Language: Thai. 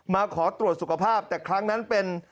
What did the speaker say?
มาขอตรวจสุขภาพแต่ครั้งนั้นเป็น